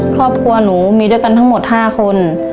ครอบครัวหนูมีด้วยกันทั้งหมด๕คน